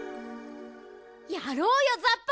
やろうよザッパ！